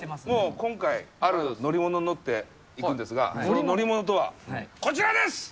もう今回、ある乗り物に乗って行くんですが、その乗り物とは、こちらです。